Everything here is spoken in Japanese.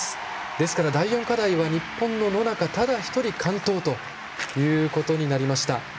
ですから第４課題は日本の野中生萌ただ一人完登ということになりました。